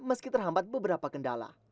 meski terhambat beberapa kendala